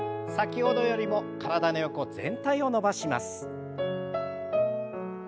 先ほどよりも体の横全体を伸ばします。